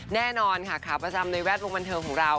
แน่นอนค่ะขาประจำในแวดวงบันเทิงของเรา